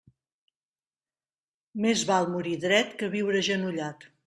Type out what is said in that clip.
Més val morir dret que viure agenollat.